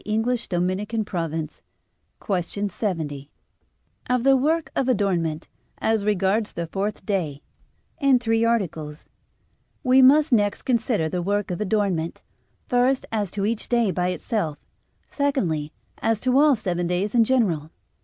_______________________ QUESTION 70 OF THE WORK OF ADORNMENT, AS REGARDS THE FOURTH DAY (In Three Articles) We must next consider the work of adornment, first as to each day by itself, secondly as to all seven days in general.